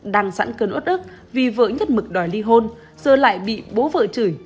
đằng sẵn cơn ốt ức vì vợ nhất mực đòi ly hôn giờ lại bị bố vợ chửi